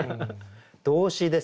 動詞です